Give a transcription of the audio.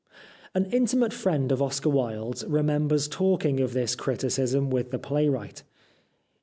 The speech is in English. An intimate friend of Oscar Wilde's remembers talking of this criticism with the playwright.